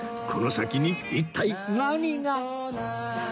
この先に一体何が？